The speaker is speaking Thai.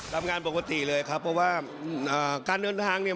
ทำงานปกติเลยครับเพราะว่าการเดินทางเนี่ย